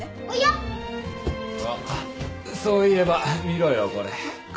あっそういえば見ろよこれ。